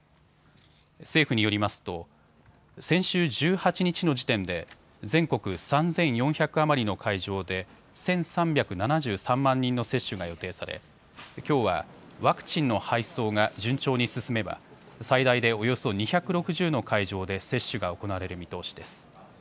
政府によりますと先週１８日の時点で全国３４００余りの会場で１３７３万人の接種が予定されきょうは、ワクチンの配送が順調に進めば最大でおよそ２６０の会場で接種が行われる見通しです。